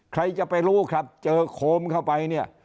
ใครจะไปรู้ครับเจอโคมเข้าไปเนี่ย